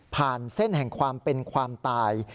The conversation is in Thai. เส้นแห่งความเป็นความตาย